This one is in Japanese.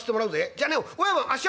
じゃあね親分あっしはね